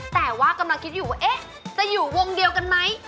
แต่ว่ากำลังคิดอยู่ว่าจะอยู่วงเดียวกันไหม